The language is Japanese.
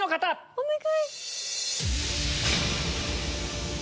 お願い！